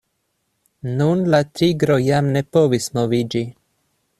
Nun la tigro jam ne povis moviĝi.